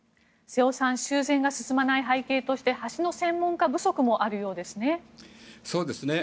瀬尾さん修繕が進まない背景として橋の専門家不足もあるようですね。